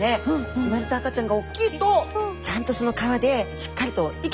生まれた赤ちゃんが大きいとちゃんとその川でしっかりと生きてく力を持って。